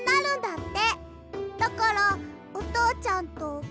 って。